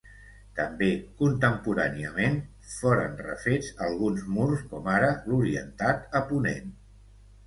També contemporàniament foren refets alguns murs com ara l'orientat a ponent.